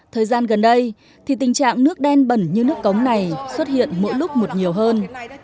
thời gian gần đây thì tình trạng nước đen bẩn như nước cống này xuất hiện mỗi lúc một nhiều hơn